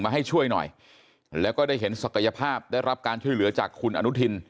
ให้ช่วยหน่อยแล้วก็ได้เห็นศักยภาพได้รับการช่วยเหลือจากคุณอนุทิน